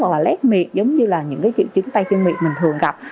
hoặc là lét miệng giống như là những cái triệu chứng tay chân miệng mình thường gặp